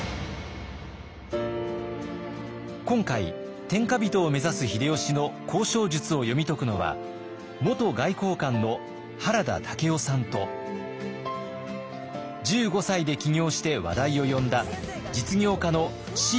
今回天下人を目指す秀吉の交渉術を読み解くのは元外交官の原田武夫さんと１５歳で起業して話題を呼んだ実業家の椎木里佳さんです。